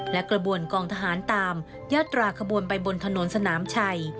และกระบวนกองทหารตามยาตราขบวนไปบนถนนสนามชัย